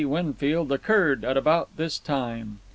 Winfield occurred at about this time.